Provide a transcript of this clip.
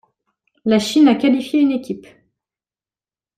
La Chine a qualifié une équipe.